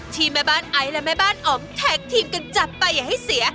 แม่บ้านไอซ์และแม่บ้านอ๋อมแท็กทีมกันจับไปอย่าให้เสีย